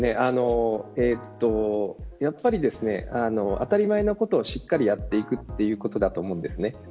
当たり前のことをしっかりやっていくということだと思います。